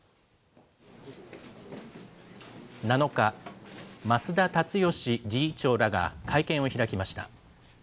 ７日、増田立義理事長らが会見を開きました。